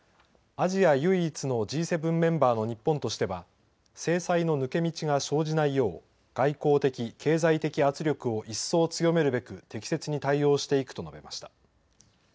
アジア唯一のＧ７メンバーの日本としては制裁の抜け道が生じないよう外交的、経済的圧力を一掃強めるべく適切に対応していくと述べました。